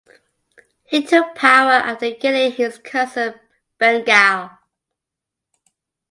He took power after killing his cousin Berngal.